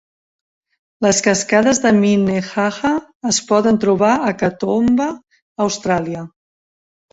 Les cascades de Minnehaha es poden trobar a Katoomba, Austràlia.